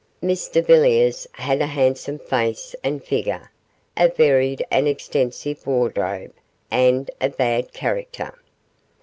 Mr Villiers had a handsome face and figure, a varied and extensive wardrobe, and a bad character.